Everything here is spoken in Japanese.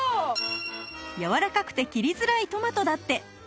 やわらかくて切りづらいトマトだって